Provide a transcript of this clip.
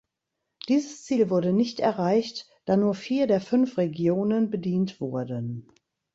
Dieses Ziel wurde nicht erreicht, da nur vier der fünf Regionen bedient wurden.